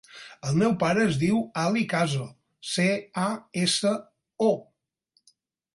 El meu pare es diu Ali Caso: ce, a, essa, o.